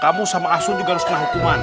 kamu sama asun juga harus kena hukuman